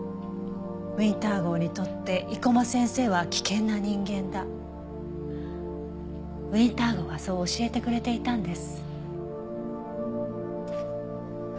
ウィンター号にとって生駒先生は危険な人間だウィンター号がそう教えてくれていたんです。